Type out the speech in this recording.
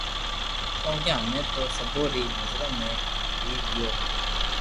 ڪونڪھ ھمي تو سبو ري نظرو ۾ گيري گيو